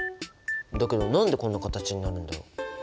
だけど何でこんな形になるんだろう？